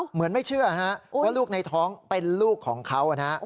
เหมือนไม่เชื่อว่าลูกในท้องเป็นลูกของเขานะฮะ